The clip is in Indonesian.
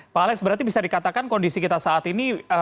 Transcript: pak alex berarti bisa dikatakan kondisi kita saat ini